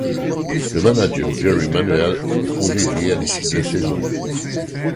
Le manager Jerry Manuel est congédié à l'issue de la saison.